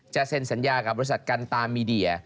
เซ็นสัญญากับบริษัทกันตามมีเดีย